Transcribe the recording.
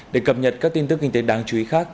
để cập nhật các tin tức kinh tế đáng chú ý khác